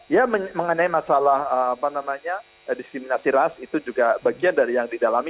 ya mengenai masalah apa namanya disiplinasi ras itu juga bagian dari yang didalami